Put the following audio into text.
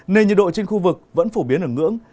nên nhiệt độ trên khu vực vẫn phổ biến ở ngưỡng